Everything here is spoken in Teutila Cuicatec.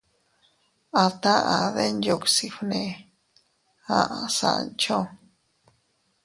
—A taʼa Denyuksi fnee —aʼa Sancho—.